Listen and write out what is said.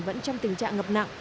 vẫn trong tình trạng ngập nặng